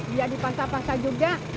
dia di pasapasa juga